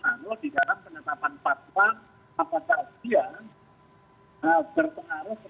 boleh atau tidaknya